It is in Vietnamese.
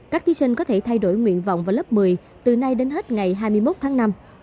các thí sinh có thể thay đổi nguyện vọng vào lớp một mươi từ nay đến hết ngày hai mươi một tháng năm